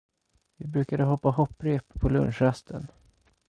Vi brukade hoppa hopprep på lunchrasten.